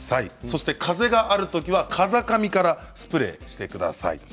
そして風があるときは風上からスプレーしてください。